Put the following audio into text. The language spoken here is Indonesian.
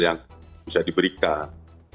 yang bisa diberikan